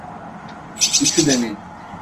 Üçü de mi?